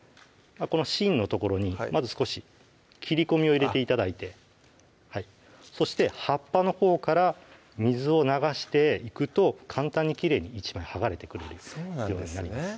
この芯の所にまず少し切り込みを入れて頂いてそして葉っぱのほうから水を流していくと簡単にきれいに１枚剥がれてくれるようになります